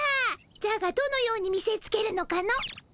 じゃがどのように見せつけるのかの？